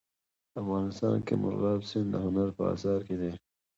افغانستان کې مورغاب سیند د هنر په اثار کې دی.